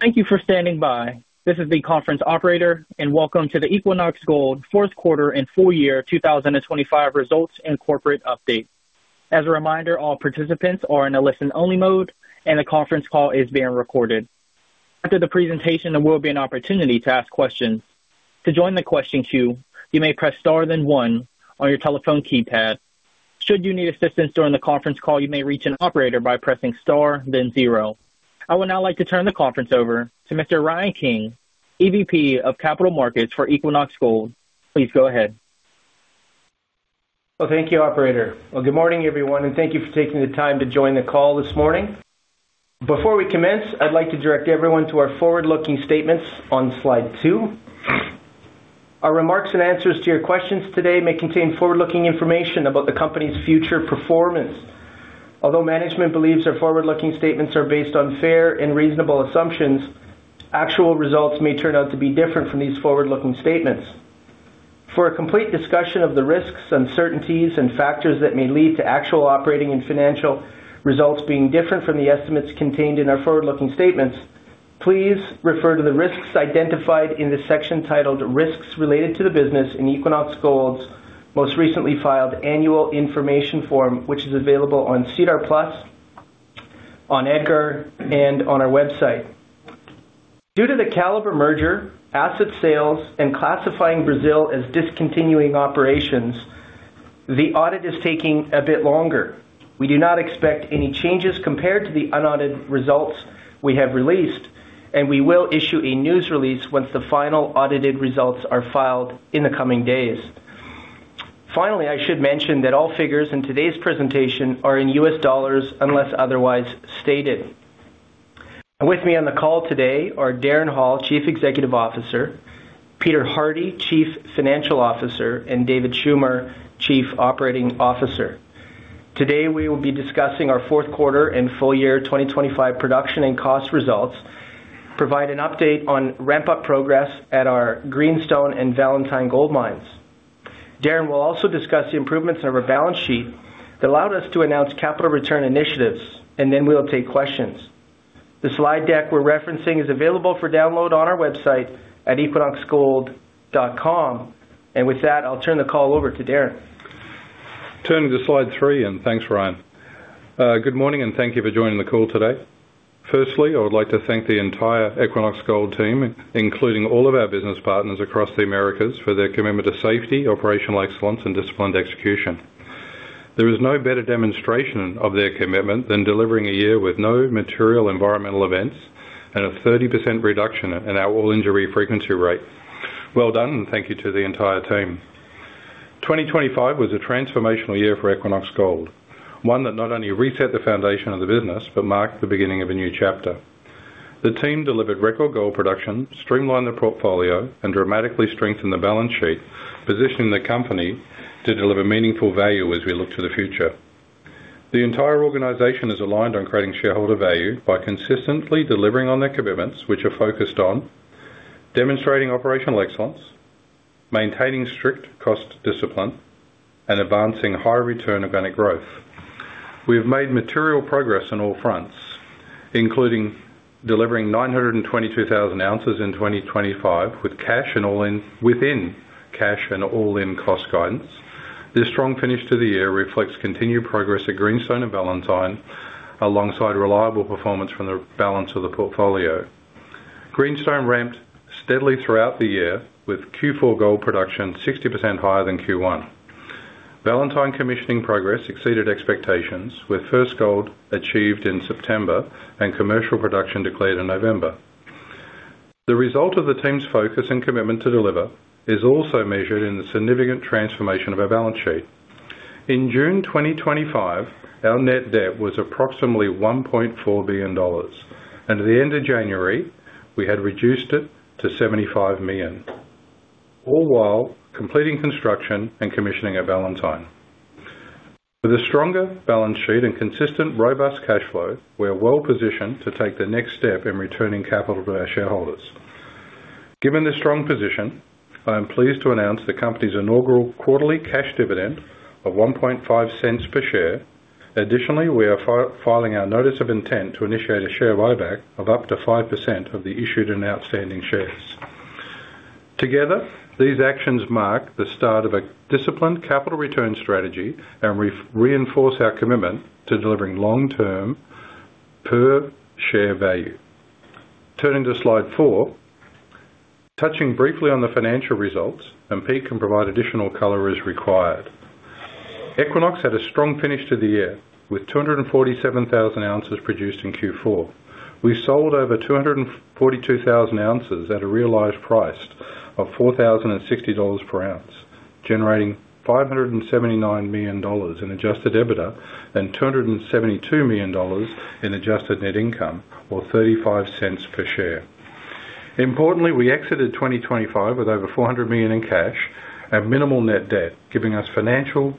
Thank you for standing by. This is the conference operator, and welcome to the Equinox Gold Fourth Quarter and Full Year 2025 results and corporate update. As a reminder, all participants are in a listen-only mode, and the conference call is being recorded. After the presentation, there will be an opportunity to ask questions. To join the question queue, you may press star, then one on your telephone keypad. Should you need assistance during the conference call, you may reach an operator by pressing star, then zero. I would now like to turn the conference over to Mr. Ryan King, EVP of Capital Markets for Equinox Gold. Please go ahead. Well, thank you, operator. Well, good morning, everyone, and thank you for taking the time to join the call this morning. Before we commence, I'd like to direct everyone to our forward-looking statements on Slide 2. Our remarks and answers to your questions today may contain forward-looking information about the company's future performance. Although management believes their forward-looking statements are based on fair and reasonable assumptions, actual results may turn out to be different from these forward-looking statements. For a complete discussion of the risks, uncertainties, and factors that may lead to actual operating and financial results being different from the estimates contained in our forward-looking statements, please refer to the risks identified in the section titled Risks Related to the Business in Equinox Gold's most recently filed Annual Information Form, which is available on SEDAR+, on EDGAR, and on our website. Due to the Calibre merger, asset sales, and classifying Brazil as discontinuing operations, the audit is taking a bit longer. We do not expect any changes compared to the unaudited results we have released, and we will issue a news release once the final audited results are filed in the coming days. Finally, I should mention that all figures in today's presentation are in U.S. dollars, unless otherwise stated. With me on the call today are Darren Hall, Chief Executive Officer, Peter Hardie, Chief Financial Officer, and David Schummer, Chief Operating Officer. Today, we will be discussing our fourth quarter and full year 2025 production and cost results, provide an update on ramp-up progress at our Greenstone and Valentine gold mines. Darren will also discuss the improvements in our balance sheet that allowed us to announce capital return initiatives, and then we'll take questions. The slide deck we're referencing is available for download on our website at equinoxgold.com. With that, I'll turn the call over to Darren. Turning to Slide 3, and thanks, Ryan. Good morning, and thank you for joining the call today. Firstly, I would like to thank the entire Equinox Gold team, including all of our business partners across the Americas, for their commitment to safety, operational excellence, and disciplined execution. There is no better demonstration of their commitment than delivering a year with no material environmental events and a 30% reduction in our all-injury frequency rate. Well done, and thank you to the entire team. 2025 was a transformational year for Equinox Gold, one that not only reset the foundation of the business, but marked the beginning of a new chapter. The team delivered record gold production, streamlined the portfolio, and dramatically strengthened the balance sheet, positioning the company to deliver meaningful value as we look to the future. The entire organization is aligned on creating shareholder value by consistently delivering on their commitments, which are focused on demonstrating operational excellence, maintaining strict cost discipline, and advancing high return organic growth. We have made material progress on all fronts, including delivering 922,000 ounces in 2025, with cash and all-in within cash and all-in cost guidance. This strong finish to the year reflects continued progress at Greenstone and Valentine, alongside reliable performance from the balance of the portfolio. Greenstone ramped steadily throughout the year, with Q4 gold production 60% higher than Q1. Valentine commissioning progress exceeded expectations, with first gold achieved in September and commercial production declared in November. The result of the team's focus and commitment to deliver is also measured in the significant transformation of our balance sheet. In June 2025, our net debt was approximately $1.4 billion, and at the end of January, we had reduced it to $75 million, all while completing construction and commissioning at Valentine. With a stronger balance sheet and consistent, robust cash flow, we are well positioned to take the next step in returning capital to our shareholders. Given this strong position, I am pleased to announce the company's inaugural quarterly cash dividend of $0.015 per share. Additionally, we are filing our notice of intent to initiate a share buyback of up to 5% of the issued and outstanding shares. Together, these actions mark the start of a disciplined capital return strategy and reinforce our commitment to delivering long-term per share value. Turning to Slide 4. Touching briefly on the financial results, and Pete can provide additional color as required. Equinox had a strong finish to the year, with 247,000 ounces produced in Q4. We sold over 242,000 ounces at a realized price of $4,060 per ounce, generating $579 million in adjusted EBITDA and $272 million in adjusted net income, or $0.35 per share. Importantly, we exited 2025 with over $400 million in cash and minimal net debt, giving us financial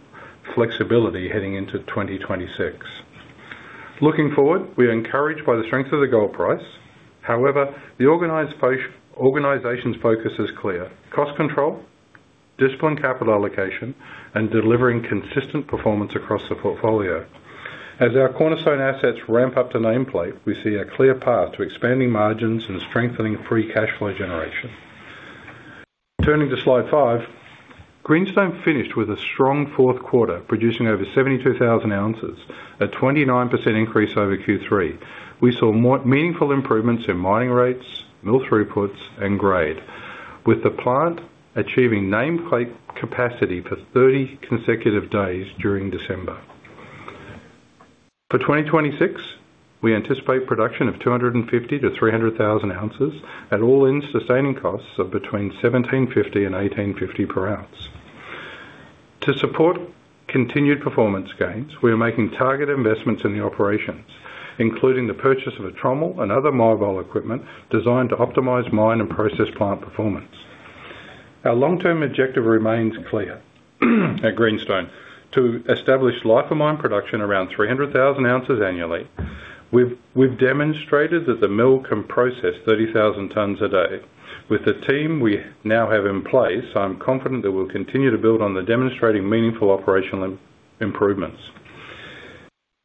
flexibility heading into 2026. Looking forward, we are encouraged by the strength of the gold price. However, the organization's focus is clear: cost control, disciplined capital allocation, and delivering consistent performance across the portfolio. As our cornerstone assets ramp up to nameplate, we see a clear path to expanding margins and strengthening free cash flow generation. Turning to Slide 5, Greenstone finished with a strong fourth quarter, producing over 72,000 ounces, a 29% increase over Q3. We saw more meaningful improvements in mining rates, mill throughputs, and grade, with the plant achieving nameplate capacity for 30 consecutive days during December. For 2026, we anticipate production of 250,000-300,000 ounces at all-in sustaining costs of between $1,750 and $1,850 per ounce. To support continued performance gains, we are making targeted investments in the operations, including the purchase of a trommel and other mobile equipment designed to optimize mine and process plant performance. Our long-term objective remains clear, at Greenstone, to establish life of mine production around 300,000 ounces annually. We've demonstrated that the mill can process 30,000 tons a day. With the team we now have in place, I'm confident that we'll continue to build on the demonstrating meaningful operational improvements.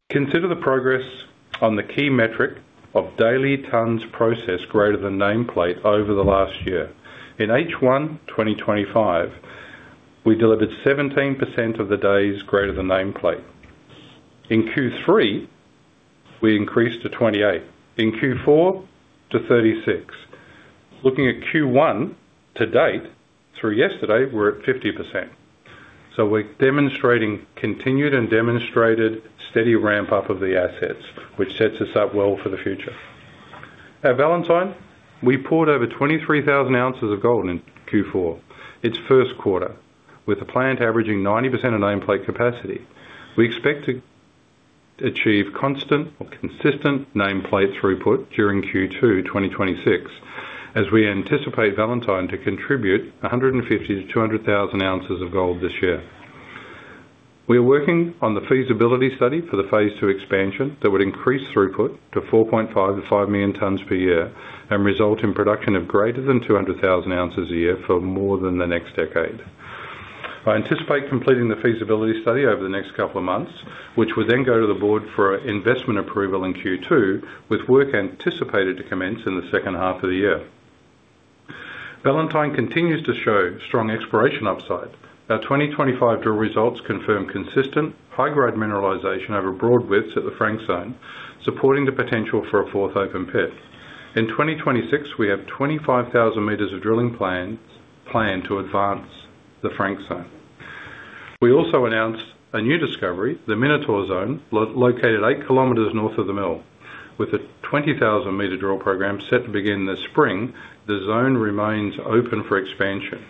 Consider the progress on the key metric of daily tons processed greater than nameplate over the last year. In H1 2025, we delivered 17% of the days greater than nameplate. In Q3, we increased to 28, in Q4 to 36. Looking at Q1 to date, through yesterday, we're at 50%. So we're demonstrating continued and demonstrated steady ramp-up of the assets, which sets us up well for the future. At Valentine, we poured over 23,000 ounces of gold in Q4, its first quarter, with the plant averaging 90% of nameplate capacity. We expect to achieve constant or consistent nameplate throughput during Q2 2026, as we anticipate Valentine to contribute 150,000-200,000 ounces of gold this year. We are working on the feasibility study for the Phase II Expansion that would increase throughput to 4.5-5 million tons per year and result in production of greater than 200,000 ounces a year for more than the next decade. I anticipate completing the feasibility study over the next couple of months, which would then go to the Board for investment approval in Q2, with work anticipated to commence in the second half of the year. Valentine continues to show strong exploration upside. Our 2025 drill results confirm consistent high-grade mineralization over broad widths at the Frank Zone, supporting the potential for a fourth open pit. In 2026, we have 25,000 meters of drilling planned to advance the Frank Zone. We also announced a new discovery, the Minotaur Zone, located 8 kilometers north of the mill, with a 20,000-meter drill program set to begin this spring. The zone remains open for expansion.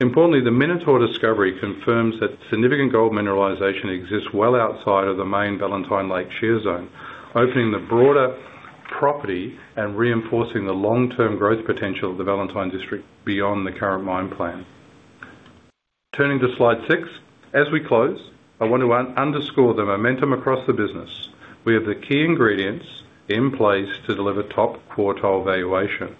Importantly, the Minotaur discovery confirms that significant gold mineralization exists well outside of the main Valentine Lake Shear Zone, opening the broader property and reinforcing the long-term growth potential of the Valentine district beyond the current mine plan. Turning to Slide 6. As we close, I want to underscore the momentum across the business. We have the key ingredients in place to deliver top-quartile valuation,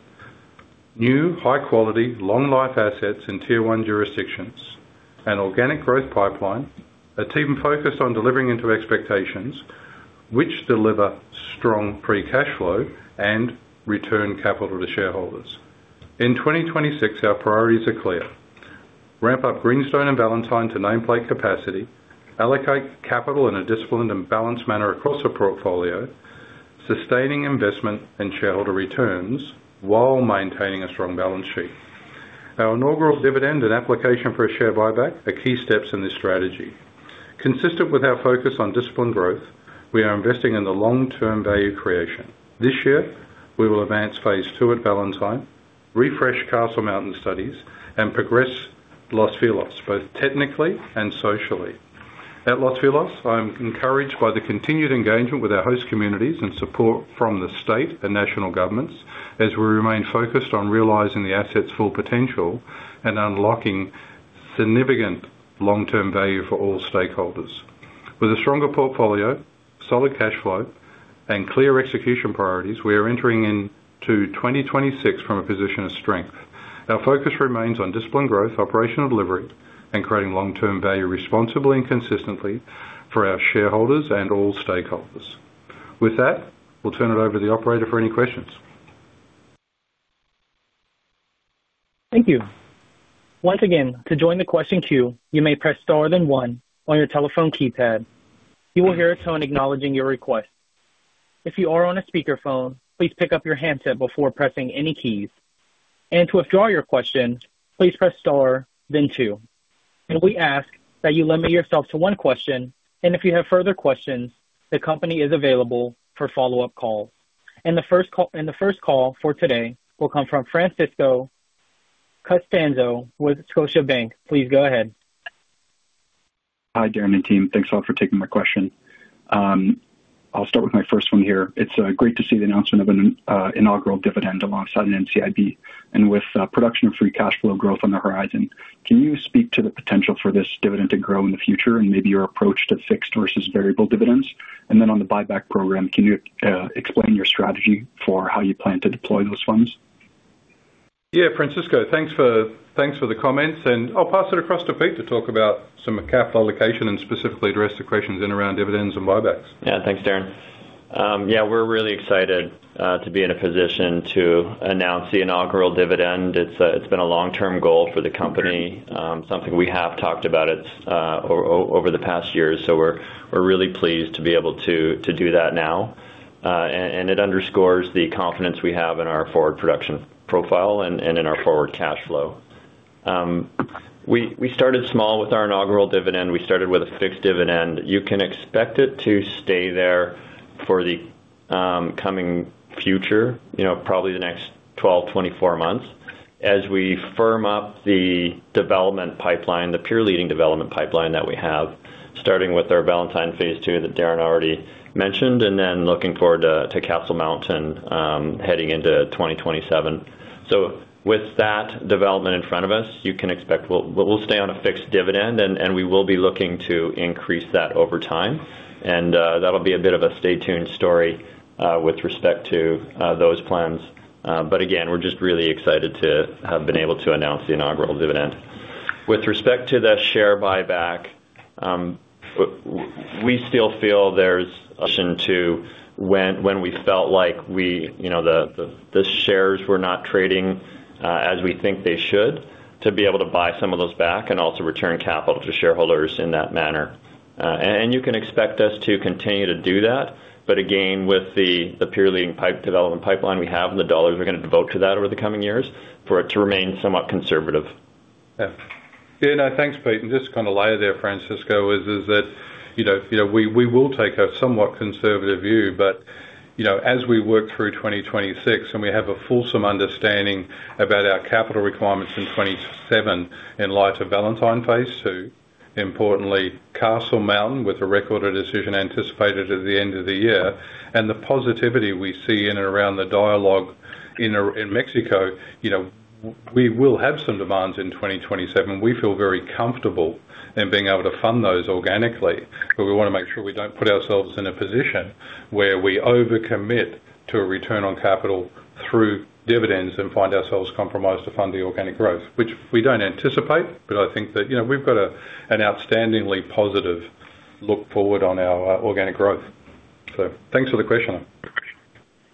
new, high-quality, long-life assets in Tier 1 jurisdictions, an organic growth pipeline, a team focused on delivering into expectations, which deliver strong free cash flow and return capital to shareholders. In 2026, our priorities are clear: ramp up Greenstone and Valentine to nameplate capacity, allocate capital in a disciplined and balanced manner across the portfolio, sustaining investment and shareholder returns while maintaining a strong balance sheet. Our inaugural dividend and application for a share buyback are key steps in this strategy. Consistent with our focus on disciplined growth, we are investing in the long-term value creation. This year, we will advance Phase II at Valentine, refresh Castle Mountain studies, and progress Los Filos, both technically and socially. At Los Filos, I'm encouraged by the continued engagement with our host communities and support from the state and national governments as we remain focused on realizing the asset's full potential and unlocking significant long-term value for all stakeholders. With a stronger portfolio, solid cash flow, and clear execution priorities, we are entering into 2026 from a position of strength. Our focus remains on disciplined growth, operational delivery, and creating long-term value responsibly and consistently for our shareholders and all stakeholders. With that, we'll turn it over to the operator for any questions. Thank you. Once again, to join the question queue, you may press star then one on your telephone keypad. You will hear a tone acknowledging your request. If you are on a speakerphone, please pick up your handset before pressing any keys. To withdraw your question, please press star then two. We ask that you limit yourself to one question, and if you have further questions, the company is available for follow-up calls. The first call, and the first call for today will come from Francisco Costanzo with Scotiabank. Please go ahead. Hi, Darren and team. Thanks a lot for taking my question. I'll start with my first one here. It's great to see the announcement of an inaugural dividend alongside an NCIB. With production and free cash flow growth on the horizon, can you speak to the potential for this dividend to grow in the future and maybe your approach to fixed versus variable dividends? Then on the buyback program, can you explain your strategy for how you plan to deploy those funds? .Yeah, Francisco, thanks for the comments, and I'll pass it across to Pete to talk about some capital allocation and specifically address the questions in around dividends and buybacks. Yeah, thanks, Darren. Yeah, we're really excited to be in a position to announce the inaugural dividend. It's, it's been a long-term goal for the company, something we have talked about it over the past years, so we're really pleased to be able to do that now. And it underscores the confidence we have in our forward production profile and in our forward cash flow. We started small with our inaugural dividend. We started with a fixed dividend. You can expect it to stay there for the coming future, you know, probably the next 12, 24 months, as we firm up the development pipeline, the peer-leading development pipeline that we have, starting with our Valentine Phase II that Darren already mentioned, and then looking forward to Castle Mountain, heading into 2027. So with that development in front of us, you can expect we'll stay on a fixed dividend, and we will be looking to increase that over time. And that'll be a bit of a stay tuned story with respect to those plans. But again, we're just really excited to have been able to announce the inaugural dividend. With respect to the share buyback, we still feel there's an option to, when we feel like we, you know, the shares were not trading as we think they should, to be able to buy some of those back and also return capital to shareholders in that manner. You can expect us to continue to do that, but again, with the peer-leading pipeline we have and the dollars we're gonna devote to that over the coming years, for it to remain somewhat conservative. Yeah. Yeah, no, thanks, Pete. Just kinda layer there, Francisco, is that, you know, we will take a somewhat conservative view, but, you know, as we work through 2026 and we have a fulsome understanding about our capital requirements in 2027, in light of Valentine Phase II, importantly, Castle Mountain, with a record of decision anticipated at the end of the year, and the positivity we see in and around the dialogue in Mexico, you know, we will have some demands in 2027. We feel very comfortable in being able to fund those organically, but we wanna make sure we don't put ourselves in a position where we overcommit to a return on capital through dividends and find ourselves compromised to fund the organic growth, which we don't anticipate, but I think that, you know, we've got an outstandingly positive look forward on our organic growth. So thanks for the question.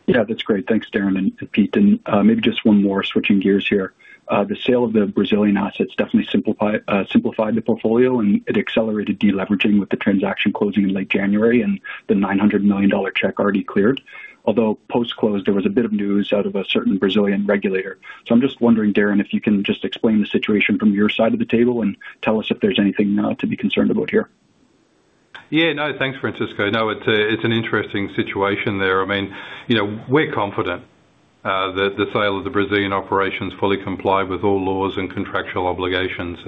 Yeah, that's great. Thanks, Darren and, and Pete. Maybe just one more, switching gears here. The sale of the Brazilian assets definitely simplify, simplified the portfolio, and it accelerated deleveraging with the transaction closing in late January, and the $900 million check already cleared. Although post-close, there was a bit of news out of a certain Brazilian regulator. So I'm just wondering, Darren, if you can just explain the situation from your side of the table and tell us if there's anything to be concerned about here. Yeah. No, thanks, Francisco. No, it's a, it's an interesting situation there. I mean, you know, we're confident that the sale of the Brazilian operations fully complied with all laws and contractual obligations.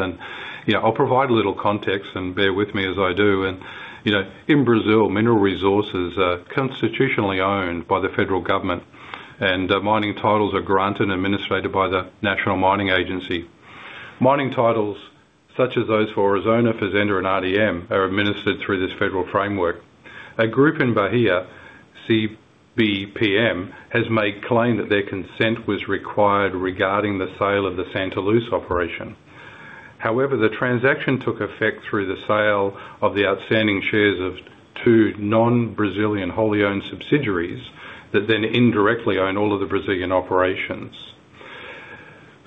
You know, I'll provide a little context and bear with me as I do. You know, in Brazil, mineral resources are constitutionally owned by the federal government, and mining titles are granted and administrated by the National Mining Agency. Mining titles, such as those for Aurizona, Fazenda, and RDM, are administered through this federal framework. A group in Bahia, CBPM, has made claim that their consent was required regarding the sale of the Santa Luz operation. However, the transaction took effect through the sale of the outstanding shares of two non-Brazilian wholly owned subsidiaries that then indirectly own all of the Brazilian operations.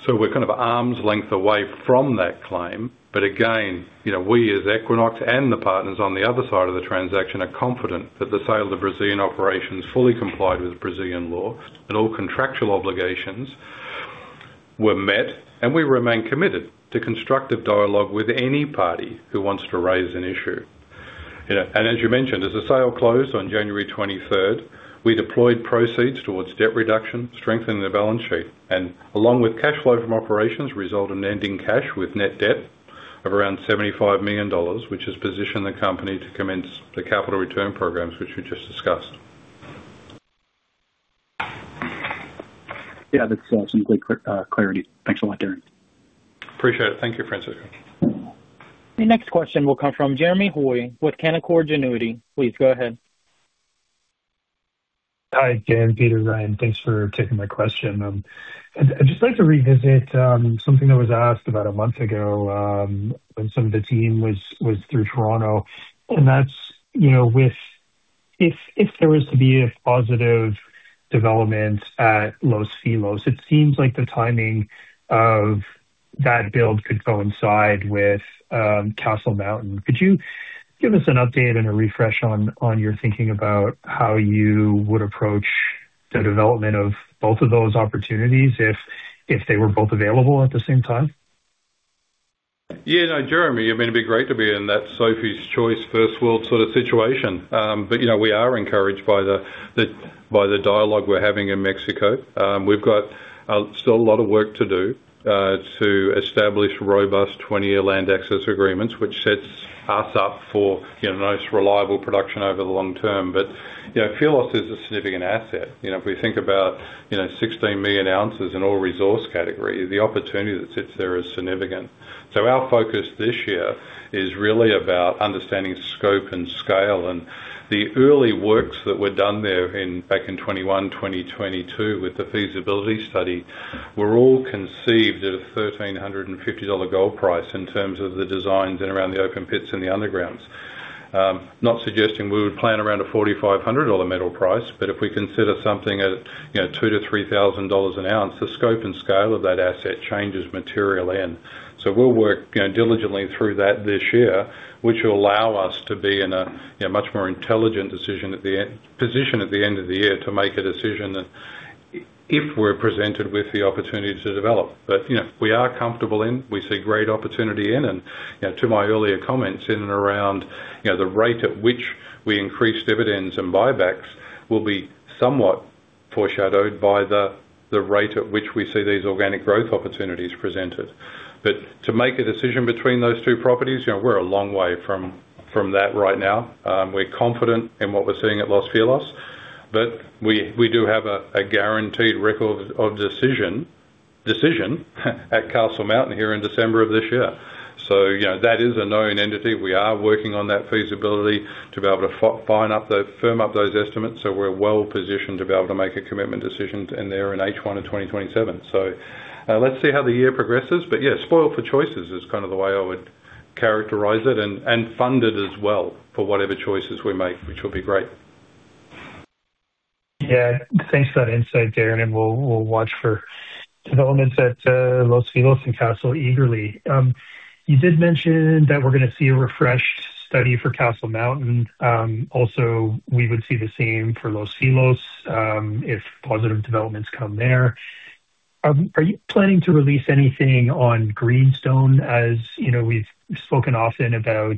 So we're kind of an arm's length away from that claim, but again, you know, we, as Equinox and the partners on the other side of the transaction, are confident that the sale of the Brazilian operations fully complied with Brazilian law and all contractual obligations were met, and we remain committed to constructive dialogue with any party who wants to raise an issue. You know, and as you mentioned, as the sale closed on January 23rd, we deployed proceeds towards debt reduction, strengthening the balance sheet, and along with cash flow from operations, result in ending cash with net debt of around $75 million, which has positioned the company to commence the capital return programs, which we just discussed. Yeah, that's some clear clarity. Thanks a lot, Darren. Appreciate it. Thank you, Francisco. The next question will come from Jeremy Hui with Canaccord Genuity. Please go ahead. Hi again, Peter Ryan. Thanks for taking my question. I'd just like to revisit something that was asked about a month ago, when some of the team was through Toronto, and that's, you know, with... If there was to be a positive development at Los Filos, it seems like the timing of that build could coincide with Castle Mountain. Could you give us an update and a refresh on your thinking about how you would approach the development of both of those opportunities if they were both available at the same time? Yeah, no, Jeremy, I mean, it'd be great to be in that Sophie's Choice, first world sort of situation. But, you know, we are encouraged by the, the, by the dialogue we're having in Mexico. We've got still a lot of work to do to establish robust 20-year land access agreements, which sets us up for, you know, nice, reliable production over the long term. But, you know, Los Filos is a significant asset. You know, if we think about, you know, 16 million ounces in all resource category, the opportunity that sits there is significant. So our focus this year is really about understanding scope and scale, and the early works that were done there in, back in 2021, 2022, with the feasibility study, were all conceived at a $1,350 gold price in terms of the designs and around the open pits and the undergrounds. Not suggesting we would plan around a $4,500 metal price, but if we consider something at, you know, $2,000-$3,000 an ounce, the scope and scale of that asset changes materially. And so we'll work, you know, diligently through that this year, which will allow us to be in a, you know, much more intelligent decision at the end position at the end of the year to make a decision that if we're presented with the opportunity to develop. But, you know, we are comfortable in, we see great opportunity in, and, you know, to my earlier comments, in and around, you know, the rate at which we increase dividends and buybacks will be somewhat foreshadowed by the rate at which we see these organic growth opportunities presented. But to make a decision between those two properties, you know, we're a long way from that right now. We're confident in what we're seeing at Los Filos, but we do have a guaranteed record of decision at Castle Mountain here in December of this year. So, you know, that is a known entity. We are working on that feasibility to be able to firm up those estimates, so we're well positioned to be able to make a commitment decision, and there in H1 of 2027. Let's see how the year progresses. But yeah, spoiled for choices is kind of the way I would characterize it, and funded as well for whatever choices we make, which will be great. Yeah, thanks for that insight, Darren, and we'll, we'll watch for developments at Los Filos and Castle eagerly. You did mention that we're gonna see a refreshed study for Castle Mountain. Also, we would see the same for Los Filos, if positive developments come there. Are you planning to release anything on Greenstone, as, you know, we've spoken often about,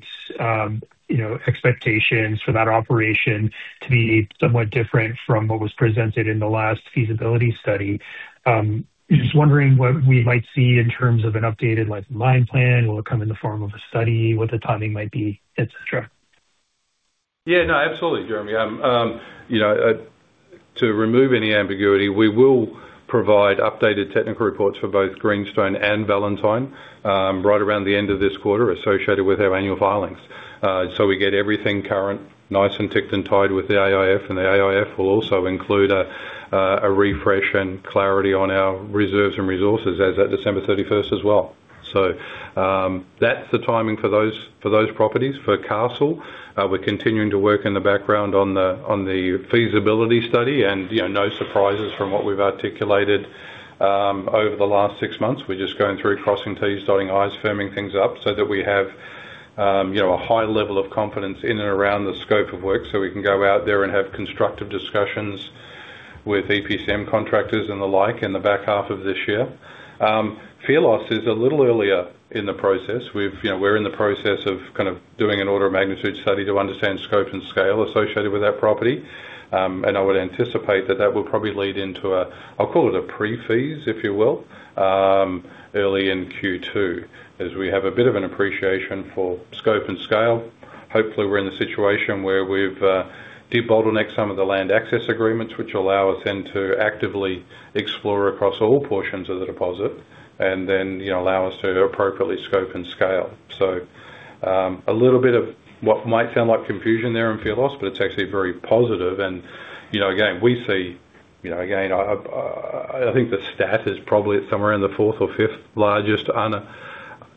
you know, expectations for that operation to be somewhat different from what was presented in the last feasibility study? Just wondering what we might see in terms of an updated, like, mine plan. Will it come in the form of a study? What the timing might be, et cetera? Yeah. No, absolutely, Jeremy. You know, to remove any ambiguity, we will provide updated technical reports for both Greenstone and Valentine, right around the end of this quarter, associated with our annual filings. So we get everything current, nice and ticked, and tied with the AIF, and the AIF will also include a refresh and clarity on our reserves and resources as at December thirty-first as well. So, that's the timing for those, for those properties. For Castle, we're continuing to work in the background on the feasibility study, and, you know, no surprises from what we've articulated, over the last six months. We're just going through, crossing t's, dotting i's, firming things up, so that we have, you know, a high level of confidence in and around the scope of work, so we can go out there and have constructive discussions with EPCM contractors and the like, in the back half of this year. Los Filos is a little earlier in the process. We've, you know, we're in the process of kind of doing an order of magnitude study to understand scope and scale associated with that property. And I would anticipate that that will probably lead into a, I'll call it a pre-feas, if you will, early in Q2, as we have a bit of an appreciation for scope and scale. Hopefully, we're in a situation where we've debottlenecked some of the land access agreements, which allow us then to actively explore across all portions of the deposit and then, you know, allow us to appropriately scope and scale. So, a little bit of what might sound like confusion there in Los Filos, but it's actually very positive. And, you know, again, we see, you know, again, I think the stat is probably somewhere in the fourth or fifth largest on a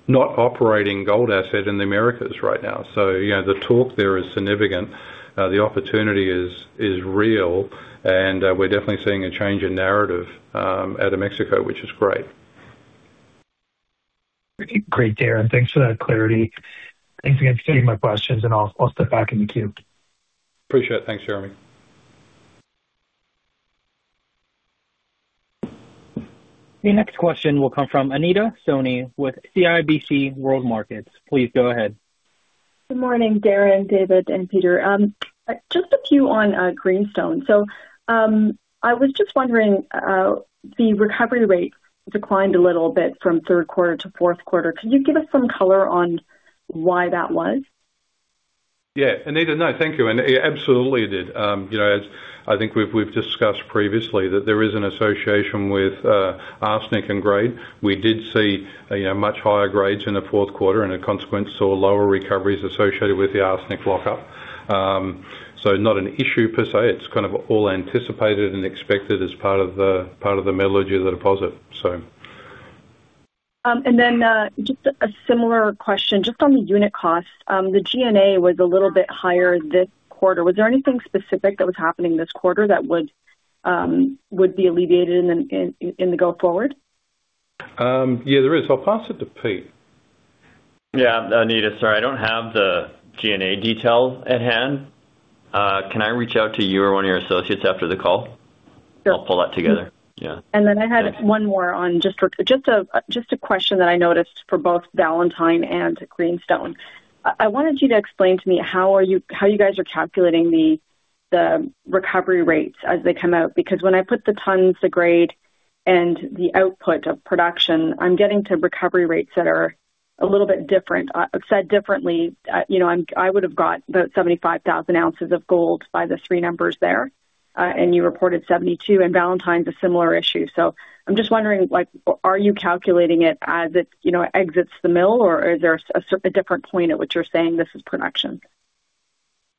not operating gold asset in the Americas right now. So, you know, the talk there is significant. The opportunity is real, and, we're definitely seeing a change in narrative out of Mexico, which is great. Great, Darren. Thanks for that clarity. Thanks again for taking my questions, and I'll step back in the queue. Appreciate it. Thanks, Jeremy. The next question will come from Anita Soni with CIBC World Markets. Please go ahead. Good morning, Darren, David, and Peter. Just a few on Greenstone. I was just wondering, the recovery rate declined a little bit from third quarter to fourth quarter. Could you give us some color on why that was? Yeah, Anita. No, thank you. And it absolutely did. You know, as I think we've discussed previously, that there is an association with arsenic and grade. We did see, you know, much higher grades in the fourth quarter and, as a consequence, saw lower recoveries associated with the arsenic lockup. So not an issue per se. It's kind of all anticipated and expected as part of the metallurgy of the deposit, so. And then, just a similar question, just on the unit costs. The G&A was a little bit higher this quarter. Was there anything specific that was happening this quarter that would be alleviated in the go forward? Yeah, there is. I'll pass it to Pete. Yeah. Anita, sorry, I don't have the G&A detail at hand. Can I reach out to you or one of your associates after the call? Sure. I'll pull that together. Yeah. And then I had one more on just a question that I noticed for both Valentine and Greenstone. I wanted you to explain to me how you guys are calculating the recovery rates as they come out? Because when I put the tons of grade and the output of production, I'm getting to recovery rates that are a little bit different. Said differently, you know, I would've got about 75,000 ounces of gold by the three numbers there, and you reported 72,000, and Valentine's a similar issue. So I'm just wondering, like, are you calculating it as it, you know, exits the mill, or is there a different point at which you're saying this is production?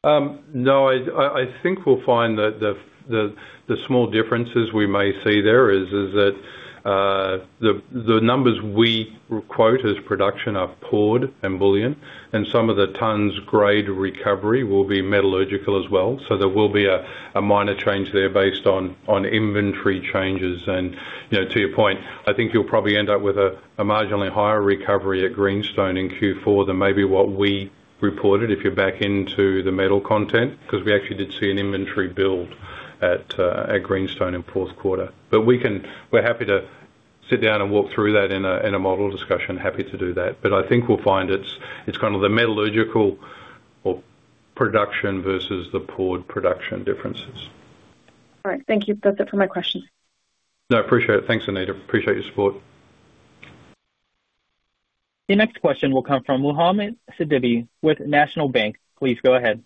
No, I think we'll find that the small differences we may see there is that the numbers we quote as production are poured and bullion, and some of the tons grade recovery will be metallurgical as well. So there will be a minor change there based on inventory changes. And, you know, to your point, I think you'll probably end up with a marginally higher recovery at Greenstone in Q4 than maybe what we reported, if you're back into the metal content, 'cause we actually did see an inventory build at Greenstone in fourth quarter. But we can. We're happy to sit down and walk through that in a model discussion. Happy to do that. But I think we'll find it's kind of the metallurgical or production versus the poured production differences. All right. Thank you. That's it for my questions. No, I appreciate it. Thanks, Anita. Appreciate your support. The next question will come from Mohammed Sadidi with National Bank. Please go ahead.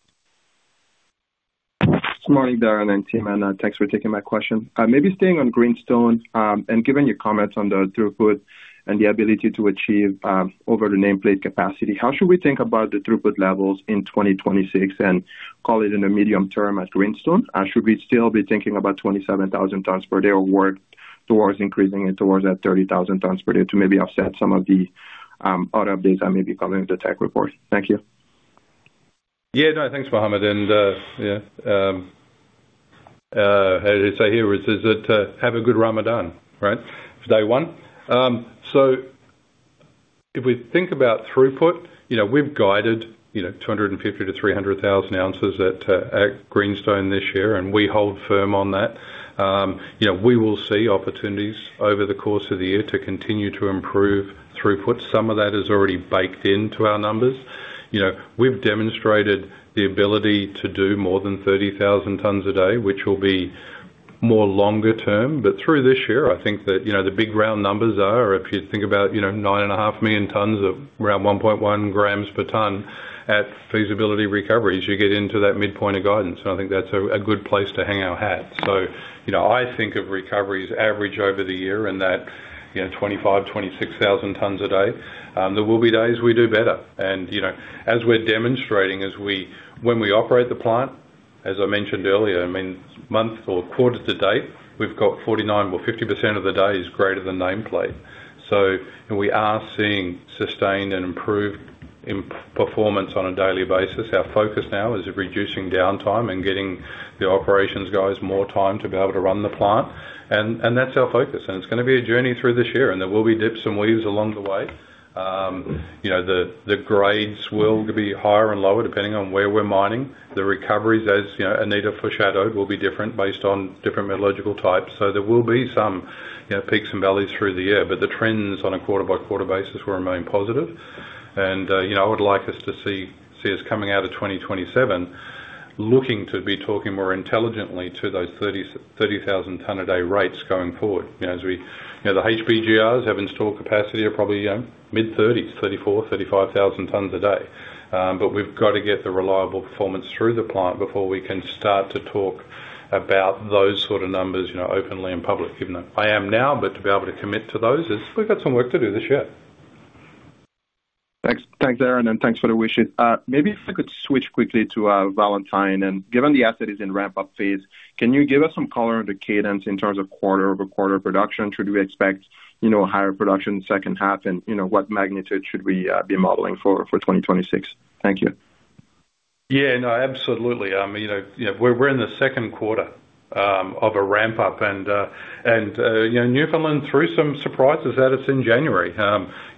Good morning, Darren and team, and, thanks for taking my question. Maybe staying on Greenstone, and given your comments on the throughput and the ability to achieve, over the nameplate capacity, how should we think about the throughput levels in 2026 and call it in the medium term at Greenstone? Should we still be thinking about 27,000 tons per day or work towards increasing it towards that 30,000 tons per day to maybe offset some of the, other updates that may be coming in the tech report? Thank you. Yeah. No, thanks, Mohammed, and, yeah, how did it say here? It says that, have a good Ramadan, right? It's day one. So if we think about throughput, you know, we've guided, you know, 250,000-300,000 ounces at Greenstone this year, and we hold firm on that. You know, we will see opportunities over the course of the year to continue to improve throughput. Some of that is already baked into our numbers. You know, we've demonstrated the ability to do more than 30,000 tons a day, which will be more longer term. But through this year, I think that, you know, the big round numbers are, if you think about, you know, 9.5 million tons of around 1.1 grams per ton at feasibility recoveries, you get into that midpoint of guidance. So I think that's a good place to hang our hat. So, you know, I think of recoveries average over the year and that, you know, 25,000-26,000 tons a day. There will be days we do better. And, you know, as we're demonstrating when we operate the plant, as I mentioned earlier, I mean, month or quarter to date, we've got 49% or 50% of the day is greater than nameplate. So, and we are seeing sustained and improved performance on a daily basis. Our focus now is reducing downtime and getting the operations guys more time to be able to run the plant. And, and that's our focus, and it's gonna be a journey through this year, and there will be dips and waves along the way. You know, the, the grades will be higher and lower, depending on where we're mining. The recoveries, as, you know, Anita foreshadowed, will be different based on different metallurgical types. So there will be some, you know, peaks and valleys through the year, but the trends on a quarter-by-quarter basis will remain positive. And, you know, I would like us to see, see us coming out of 2027, looking to be talking more intelligently to those 30,000 ton a day rates going forward. You know, as we... You know, the HPGRs have installed capacity of probably mid-30s, 34,000-35,000 tons a day. But we've got to get the reliable performance through the plant before we can start to talk about those sort of numbers, you know, openly in public, even though I am now. But to be able to commit to those is, we've got some work to do this year. Thanks. Thanks, Darren, and thanks for the wishes. Maybe if I could switch quickly to Valentine, and given the asset is in ramp-up phase, can you give us some color on the cadence in terms of quarter-over-quarter production? Should we expect, you know, higher production second half, and, you know, what magnitude should we be modeling for 2026? Thank you. Yeah, no, absolutely. You know, you know, we're, we're in the second quarter of a ramp-up, and, and, you know, Newfoundland threw some surprises at us in January.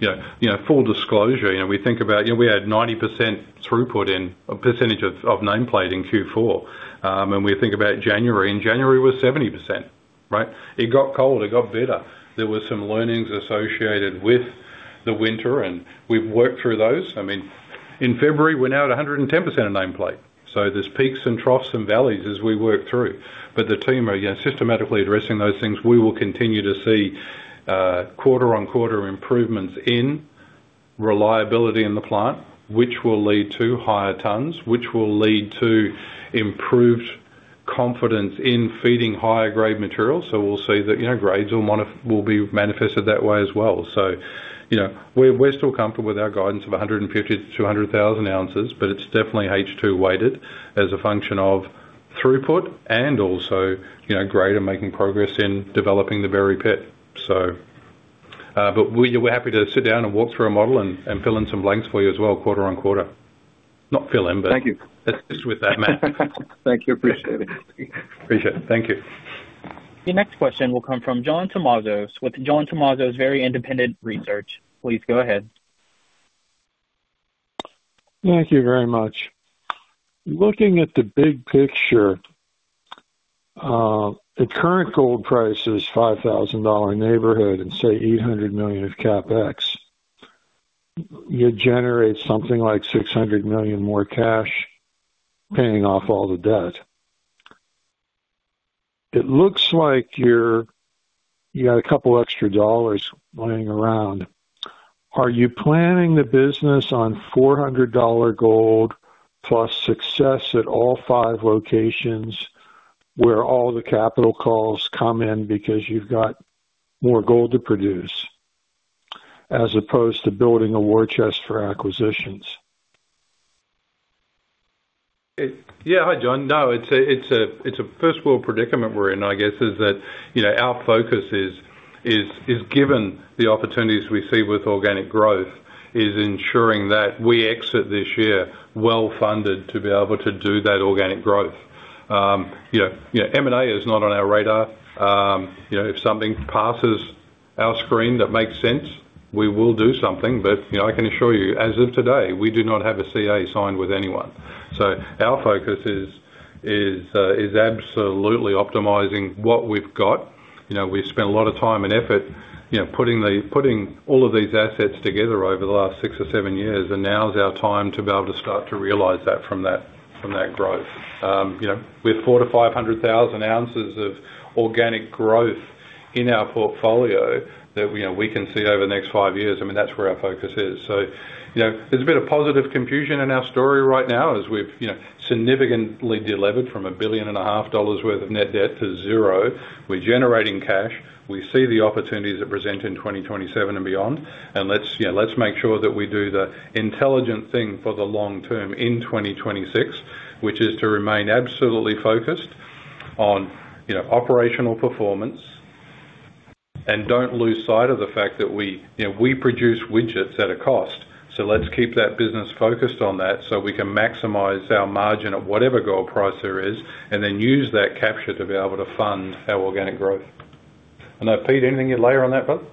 You know, you know, full disclosure, you know, we think about, you know, we had 90% throughput in a percentage of, of nameplate in Q4. And we think about January, and January was 70%, right? It got cold. It got better. There were some learnings associated with the winter, and we've worked through those. I mean, in February, we're now at 110% of nameplate. So there's peaks and troughs and valleys as we work through, but the team are, you know, systematically addressing those things. We will continue to see quarter-on-quarter improvements in reliability in the plant, which will lead to higher tons, which will lead to improved confidence in feeding higher grade materials. So we'll see that, you know, grades will be manifested that way as well. So, you know, we're still comfortable with our guidance of 150,000-200,000 ounces, but it's definitely H2 weighted as a function of throughput and also, you know, grade and making progress in developing the very pit. So, but we, we're happy to sit down and walk through a model and fill in some blanks for you as well, quarter-on-quarter. Not fill in, but- Thank you. Assist with that, Matt. Thank you. Appreciate it. Appreciate it. Thank you. The next question will come from John Tomazos with John Tomazos Very Independent Research. Please go ahead. Thank you very much. Looking at the big picture, the current gold price is $5,000 dollar neighborhood and say, $800 million of CapEx. You generate something like $600 million more cash paying off all the debt. It looks like you're, you got a couple extra dollars laying around. Are you planning the business on $400 dollar gold plus success at all five locations, where all the capital calls come in because you've got more gold to produce?... as opposed to building a war chest for acquisitions? Yeah, hi, John. No, it's a first world predicament we're in, I guess, is that, you know, our focus is given the opportunities we see with organic growth, is ensuring that we exit this year well-funded to be able to do that organic growth. You know, M&A is not on our radar. You know, if something passes our screen that makes sense, we will do something. But, you know, I can assure you, as of today, we do not have a CA signed with anyone. So our focus is absolutely optimizing what we've got. You know, we've spent a lot of time and effort, you know, putting all of these assets together over the last six or seven years, and now is our time to be able to start to realize that from that, from that growth. You know, we have 400,000-500,000 ounces of organic growth in our portfolio that, you know, we can see over the next five years. I mean, that's where our focus is. So, you know, there's a bit of positive confusion in our story right now as we've, you know, significantly delevered from $1.5 billion worth of net debt to zero. We're generating cash. We see the opportunities that present in 2027 and beyond. And let's, you know, let's make sure that we do the intelligent thing for the long term in 2026, which is to remain absolutely focused on, you know, operational performance, and don't lose sight of the fact that we, you know, we produce widgets at a cost. So let's keep that business focused on that, so we can maximize our margin at whatever gold price there is, and then use that capture to be able to fund our organic growth. I don't know, Pete, anything you'd layer on that, bud?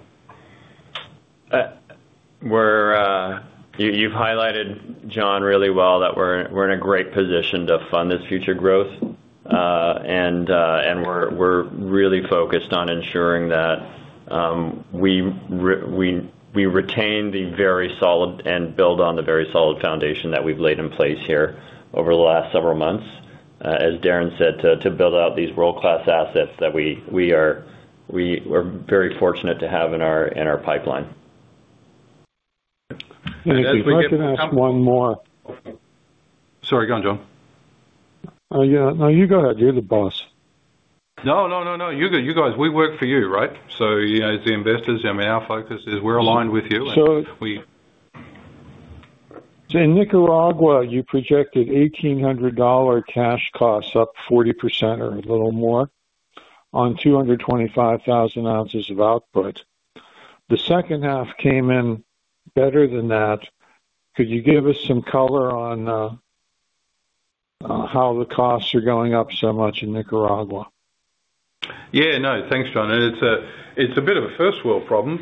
You've highlighted, John, really well that we're in a great position to fund this future growth. And we're really focused on ensuring that we retain the very solid and build on the very solid foundation that we've laid in place here over the last several months, as Darren said, to build out these world-class assets that we are very fortunate to have in our pipeline. If I could ask one more. Sorry, go on, John. Yeah. No, you go ahead. You're the boss. No, no, no, no, you guys, you guys, we work for you, right? So, you know, it's the investors. I mean, our focus is we're aligned with you, and we- In Nicaragua, you projected $1,800 cash costs, up 40% or a little more, on 225,000 ounces of output. The second half came in better than that. Could you give us some color on how the costs are going up so much in Nicaragua? Yeah, no. Thanks, John. It's a, it's a bit of a first world problem.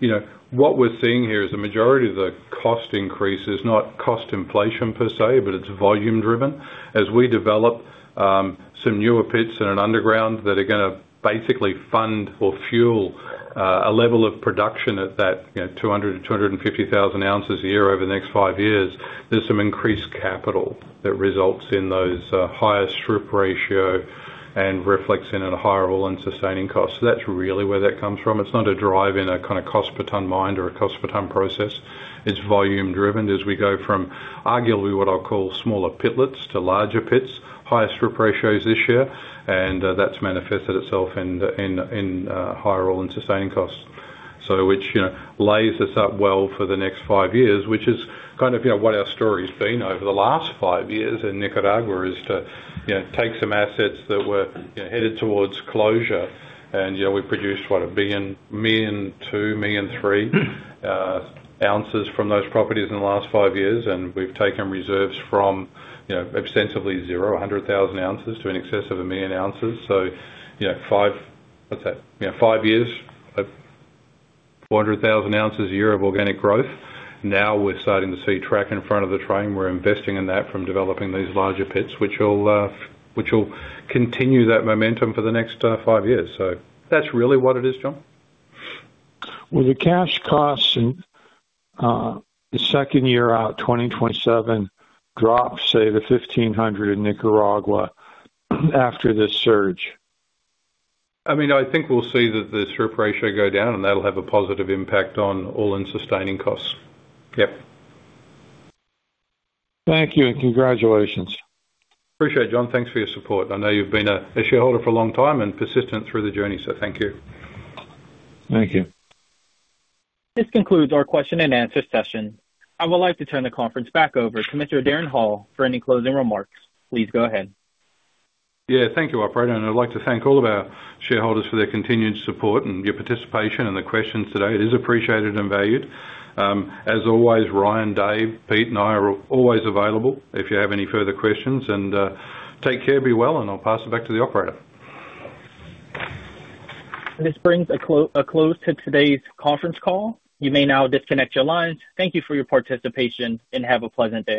You know, what we're seeing here is the majority of the cost increase is not cost inflation per se, but it's volume driven. As we develop some newer pits and an underground that are gonna basically fund or fuel a level of production at that, you know, 200,000-250,000 ounces a year over the next five years, there's some increased capital that results in those higher strip ratio and reflects in a higher all-in sustaining cost. So that's really where that comes from. It's not a drive in a kinda cost-per-ton mine or a cost-per-ton process. It's volume driven. As we go from arguably what I'll call smaller pitlets to larger pits, higher strip ratios this year, and that's manifested itself in the higher all-in sustaining costs. So which, you know, lays us up well for the next five years, which is kind of, you know, what our story's been over the last five years in Nicaragua, is to, you know, take some assets that were, you know, headed towards closure. And, you know, we've produced, what, 1 billion, 1.2 million, 1.3 million ounces from those properties in the last five years, and we've taken reserves from, you know, ostensibly zero, 100,000 ounces to in excess of 1 million ounces. So, you know, five... What's that? You know, five years, 400,000 ounces a year of organic growth. Now, we're starting to see track in front of the train. We're investing in that from developing these larger pits, which will continue that momentum for the next five years. So that's really what it is, John. Will the cash costs in the second year out, 2027, drop, say, to $1,500 in Nicaragua after this surge? I mean, I think we'll see the strip ratio go down, and that'll have a positive impact on all-in sustaining costs. Yep. Thank you, and congratulations. Appreciate it, John. Thanks for your support. I know you've been a shareholder for a long time and persistent through the journey, so thank you. Thank you. This concludes our question and answer session. I would like to turn the conference back over to Mr. Darren Hall for any closing remarks. Please go ahead. Yeah, thank you, operator, and I'd like to thank all of our shareholders for their continued support and your participation and the questions today. It is appreciated and valued. As always, Ryan, Dave, Pete, and I are always available if you have any further questions. And, take care, be well, and I'll pass it back to the operator. This brings a close to today's conference call. You may now disconnect your lines. Thank you for your participation, and have a pleasant day.